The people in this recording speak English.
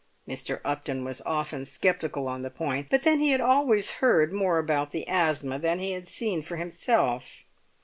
Mr. Upton was often sceptical on the point; but then he had always heard more about the asthma than he had seen for himself.